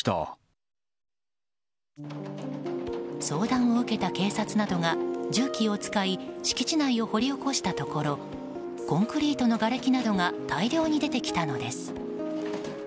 相談を受けた警察などが重機を使い敷地内を掘り起こしたところコンクリートのがれきなどが大量に出てきたのです。